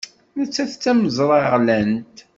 Nettat d tameẓraɣlant.